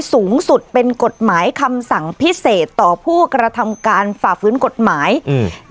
สูงสุดเป็นกฎหมายคำสั่งพิเศษต่อผู้กระทำการฝ่าฟื้นกฎหมายอืม